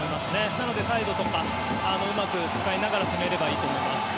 なのでサイドとかうまく使いながら攻めればいいと思います。